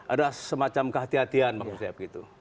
ada semacam kehatian kehatian waktu itu